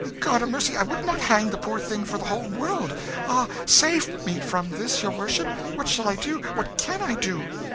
God a mercy, I would not hang the poor thing for the whole world! Ah, save me from this, your worship what shall I do, what can I do?"